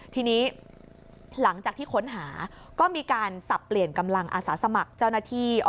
ทีนี้หลังจากที่ค้นหาก็มีการสับเปลี่ยนกำลังอาสาสมัครเจ้าหน้าที่